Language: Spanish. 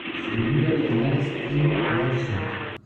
Su nombre original es Kim Bo Suk.